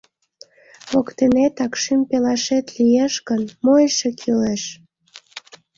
Воктенетак шӱм пелашет лиеш гын, мо эше кӱлеш?